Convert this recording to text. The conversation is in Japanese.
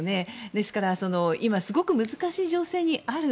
ですから今、すごく難しい情勢にある。